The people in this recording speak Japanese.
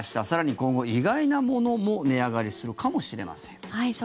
更に今後、意外なものも値上がりするかもしれません。